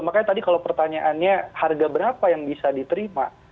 makanya tadi kalau pertanyaannya harga berapa yang bisa diterima